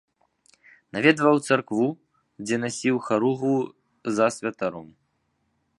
Наведваў царкву, дзе насіў харугву за святаром.